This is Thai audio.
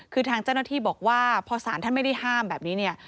คือทางเจ้าหน้าที่บอกว่าพอสารท่านไม่ได้ห้ามแบบนี้เนี่ย